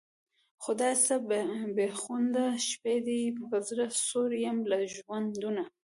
خدایه څه بېخونده شپې دي په زړه سوړ یم له ژوندونه